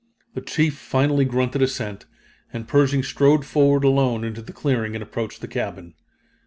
The chief finally grunted assent, and Pershing strode forward alone into the clearing and approached the cabin.